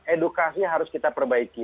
edukasi harus kita perbaiki